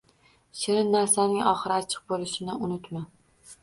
Shirin narsaning oxiri achchiq bo’lishini unutma.